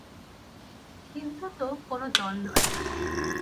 হিন্দু তো কোনে দল নয়।